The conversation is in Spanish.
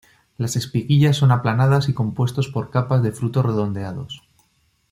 Las espiguillas son aplanadas y compuestos por capas de frutos redondeados.